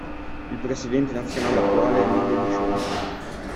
Il presidente nazionale attuale è Mario Buscemi.